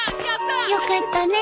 よかったね